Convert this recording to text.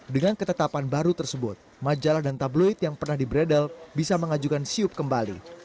dengan ketetapan baru tersebut majalah dan tabloid yang pernah di bredel bisa mengajukan siup kembali